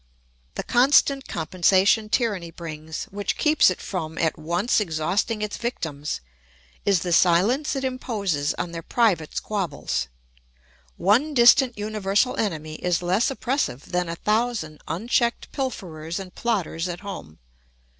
The constant compensation tyranny brings, which keeps it from at once exhausting its victims, is the silence it imposes on their private squabbles. One distant universal enemy is less oppressive than a thousand unchecked pilferers and plotters at home.